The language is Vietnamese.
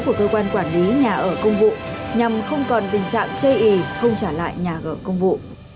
của cơ quan quản lý nhà ở công vụ nhằm không còn tình trạng chây ý không trả lại nhà gợi công vụ